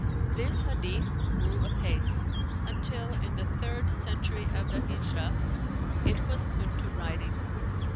This "hadith" grew apace, until, in the third century of the Híjrah, it was put to writing.